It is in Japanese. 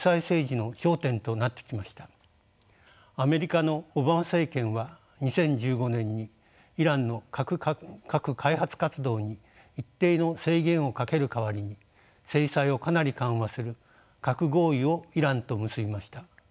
アメリカのオバマ政権は２０１５年にイランの核開発活動に一定の制限をかける代わりに制裁をかなり緩和する核合意をイランと結びました。